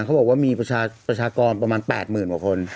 เขาบอกว่ามีประชากรประมาณ๘๐๐๐กว่าคน